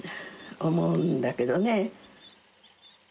思うんだけどね。